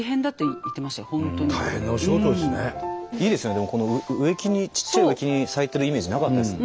でもこの植木にちっちゃい植木に咲いてるイメージなかったです。